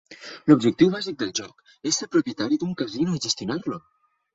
L'objectiu bàsic del joc és ser propietari d'un casino i gestionar-lo.